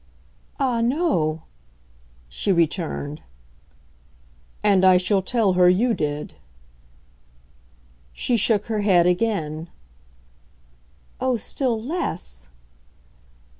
"Ah no!" she returned. "And I shall tell her you did." She shook her head again. "Oh, still less!"